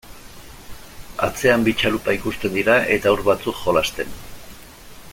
Atzean bi txalupa ikusten dira eta haur batzuk jolasten.